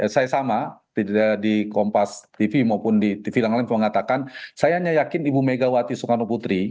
saya sama di kompas tv maupun di tv yang lain mengatakan saya hanya yakin ibu megawati soekarno putri